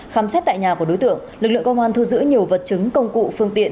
khám xét tại nhà của đối tượng lực lượng công an thu giữ nhiều vật chứng công cụ phương tiện